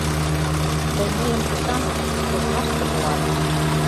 Тый мыйын кышамым ошмаште муат.